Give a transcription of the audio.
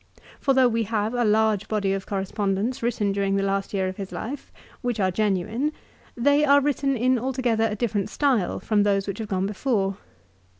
For though we have a large body of correspondence written during the last year of his life, which are genuine, they are written in altogether a different style from those which have gone before.